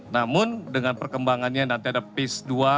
namun dengan perkembangannya nanti ada peace dua